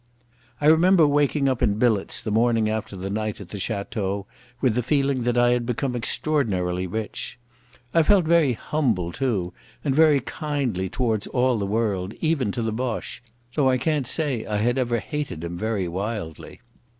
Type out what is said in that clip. I remember waking up in billets the morning after the night at the Château with the feeling that I had become extraordinarily rich. I felt very humble, too, and very kindly towards all the world—even to the Boche, though I can't say I had ever hated him very wildly.